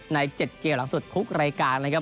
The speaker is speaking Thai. ใน๗เกมหลังสุดคุกรายการนะครับ